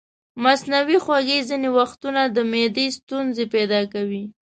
مصنوعي خوږې ځینې وختونه د معدې ستونزې پیدا کوي.